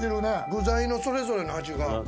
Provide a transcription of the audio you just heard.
具材のそれぞれの味が。